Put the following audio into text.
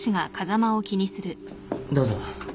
どうぞ。